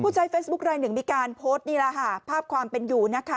ใช้เฟซบุ๊คลายหนึ่งมีการโพสต์นี่แหละค่ะภาพความเป็นอยู่นะคะ